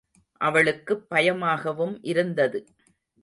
அவளுக்குப் பயமாகவும் இருந்தது.